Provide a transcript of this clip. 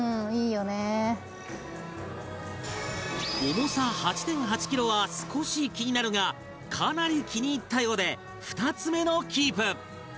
重さ ８．８ キロは少し気になるがかなり気に入ったようで２つ目のキープ